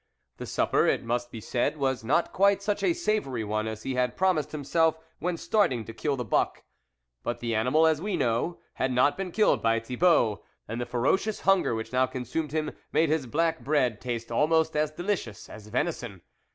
The supper, it must be said, was not quite such a savoury one as he had promised himself, when starting to kill the buck ; but the animal, as we know, had not been killed by Thibault, and the fero cious hunger which now consumed him made his black bread taste almost as delicious as venison.